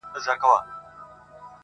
شیخ ته ورکوي شراب کشیش ته د زمزمو جام,